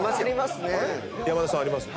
山田さんあります？